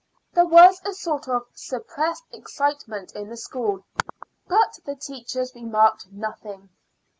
There was a sort of suppressed excitement in the school; but the teachers remarked nothing.